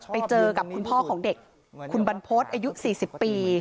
ไปเจอกับคุณพ่อของเด็กคุณบรรพฤษอายุ๔๐ปี